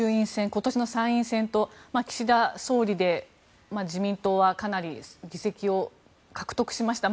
今年の参院選と岸田総理で自民党はかなり議席を獲得しました。